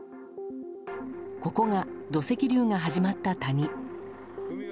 ここが土石流が始まった谷。